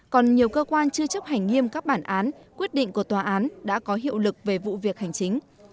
còn nhiều cơ quan chưa chấp hành nghiêm các bản án quyết định của tòa án đã có hiệu lực về vụ việc hành chính